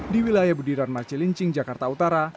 di wilayah budi dharma cilincing jakarta utara